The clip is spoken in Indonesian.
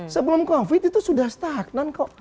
sebelum covid itu sudah stagnan kok